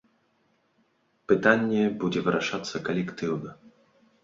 Пытанне будзе вырашацца калектыўна.